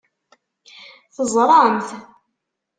Teẓṛam-t?